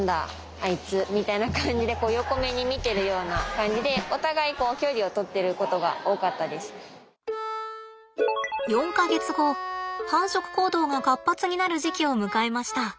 あいつ」みたいな感じでこう横目に見てるような感じで４か月後繁殖行動が活発になる時期を迎えました。